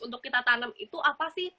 untuk kita tanam itu apa sih